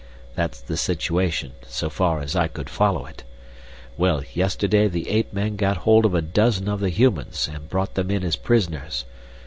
That's the situation, so far as I could follow it. Well, yesterday the ape men got hold of a dozen of the humans and brought them in as prisoners.